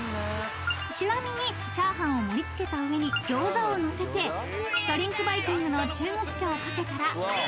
［ちなみにチャーハンを盛り付けた上に餃子をのせてドリンクバイキングの中国茶をかけたらお茶漬けに！］